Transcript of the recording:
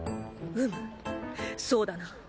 うむそうだな。